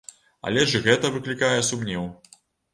Але ж і гэта выклікае сумнеў.